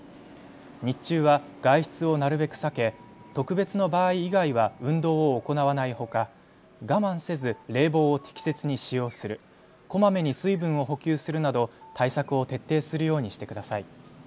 日中は外出をなるべく避け特別の場合以外は運動を行わないほか我慢せず冷房を適切に使用する、こまめに水分を補給するなど対策を徹底するようにしてください。